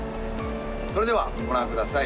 それではご覧ください